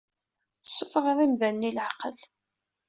Tessufɣeḍ imdanen i leɛqel.